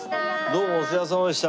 どうもお世話さまでした。